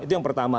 itu yang pertama